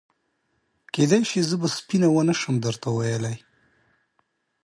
کېدای شي زه به سپینه ونه شم درته ویلای.